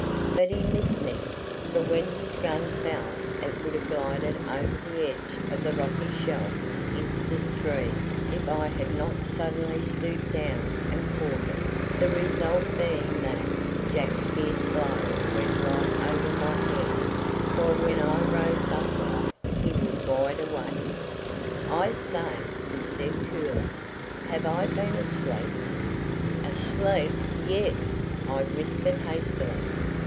But he missed me, for when his gun fell it would have glided over the edge of the rocky shelf into the stream if I had not suddenly stooped down and caught it, the result being that Jack's fierce blow went right over my head, while when I rose upright he was wide awake. "I say," he said coolly, "have I been asleep?" "Asleep! yes," I whispered hastily.